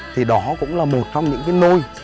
thì đó cũng là một trong những cái nôi